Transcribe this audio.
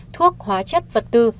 thuốc hóa chất vật tư